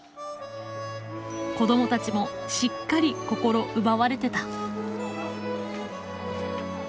子どもたちもしっかり心奪われてた。